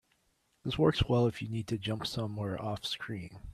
This works well if you need to jump somewhere offscreen.